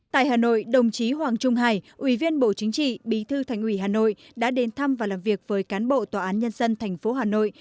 tại hà nội đồng chí hoàng trung hải ủy viên bộ chính trị bí thư thành ủy hà nội đã đến thăm và làm việc với cán bộ tòa án nhân dân tp hà nội